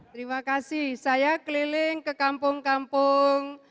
terima kasih saya keliling ke kampung kampung